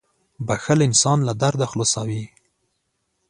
• بښل انسان له درده خلاصوي.